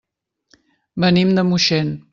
Venim de Moixent.